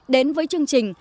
đến với chương trình